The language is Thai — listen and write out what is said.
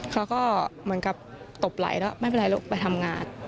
เขาก็เหมือนกับตบไหลแล้วไม่เป็นไรลูกไปทำงาน